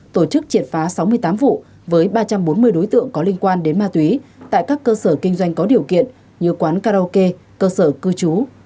tổ chức triệt phá sáu mươi tám vụ với ba trăm bốn mươi đối tượng có liên quan đến ma túy tại các cơ sở kinh doanh có điều kiện như quán karaoke cơ sở cư trú